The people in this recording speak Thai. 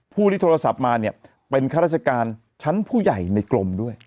ผู้ที่โทรศัพท์มาเนี่ยเป็นข้าราชการชั้นผู้ใหญ่ในกรมด้วย